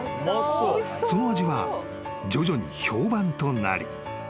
［その味は徐々に評判となり］